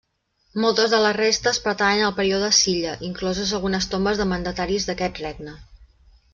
Moltes de les restes pertanyen al període Silla, incloses algunes tombes de mandataris d'aquest regne.